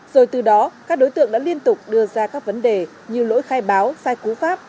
rồi từ đó các đối tượng đã liên tục đưa ra các vấn đề như lỗi khai báo sai cú pháp